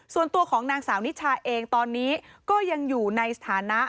ส่วนตัวของนางสาวนิชาเองตอนนี้ก็ยังอยู่ในสถานะ